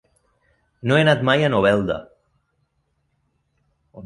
No he anat mai a Novelda.